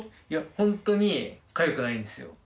ホントにかゆくないんですよ。